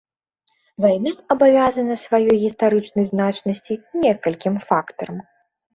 Вайна абавязана сваёй гістарычнай значнасці некалькім фактарам.